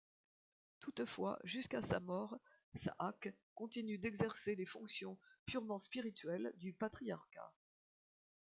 Toutefois, jusqu'à sa mort, Sahak continue d’exercer les fonctions purement spirituelles du patriarcat.